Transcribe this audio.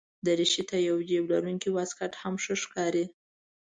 دریشي ته یو جېب لرونکی واسکټ هم ښه ښکاري.